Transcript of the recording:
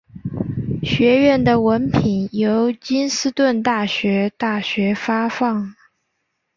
学院的文凭由金斯顿大学大学发放。